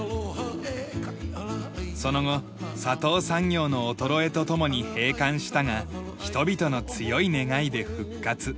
その後砂糖産業の衰えと共に閉館したが人々の強い願いで復活。